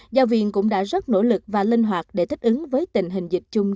giáo viên cũng đã rất nỗ lực và linh hoạt để thích ứng với tình hình dịch chung